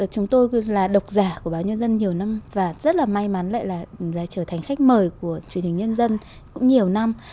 chúng tôi là độc giả của báo nhân dân nhiều năm và rất là may mắn lại là trở thành khách mời của truyền hình nhân dân cũng nhiều năm